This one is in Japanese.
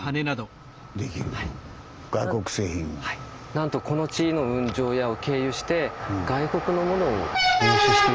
なんとこの地の運上屋を経由して外国の物を入手していたんです。